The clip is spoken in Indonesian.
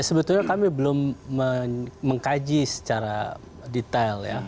sebetulnya kami belum mengkaji secara detail ya